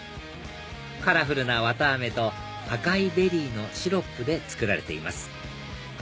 カラフルな綿あめと赤いベリーのシロップで作られています